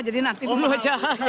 jadi nanti dulu aja